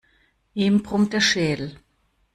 Ihm brummt der Schädel.